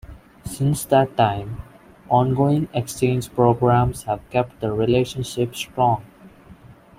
Since that time, ongoing exchange programs have kept the relationship strong.